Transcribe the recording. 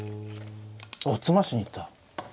おっ詰ましに行った。